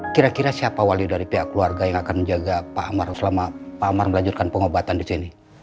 kira kira siapa wali dari pihak keluarga yang akan menjaga pak amar selama pak amar melanjutkan pengobatan di sini